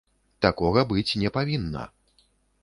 Такога быць не павінна.